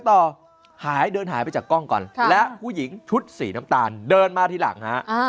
ต่อหายเดินหายไปจากกล้องก่อนและผู้หญิงชุดสีน้ำตาลเดินมาทีหลังฮะ